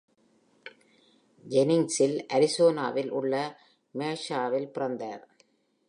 Jennings அரிசோனாவில் உள்ள Mesaஇல் பிறந்தார்.